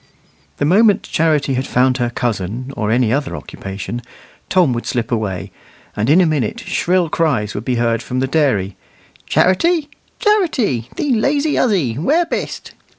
The moment Charity had found her cousin, or any other occupation, Tom would slip away; and in a minute shrill cries would be heard from the dairy, "Charity, Charity, thee lazy huzzy, where bist?"